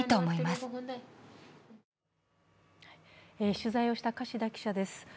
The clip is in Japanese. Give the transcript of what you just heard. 取材をした樫田記者です。